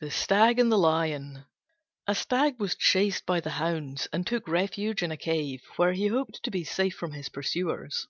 THE STAG AND THE LION A Stag was chased by the hounds, and took refuge in a cave, where he hoped to be safe from his pursuers.